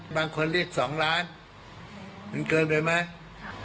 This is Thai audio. บางคนเรียก๒ล้านมันเกินไปไหม